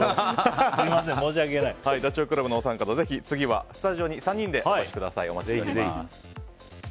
ダチョウ倶楽部のお三方ぜひ、次はスタジオに３人でお越しください。